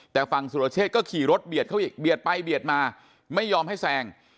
แต่ฟังสุรเชษฐ์ก็ขี่รถเบียดไปเบียดมาไม่ยอมให้แซง